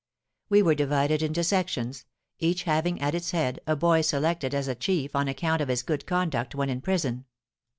"We were divided into sections, each having at its head a boy selected as the chief on account of his good conduct when in prison.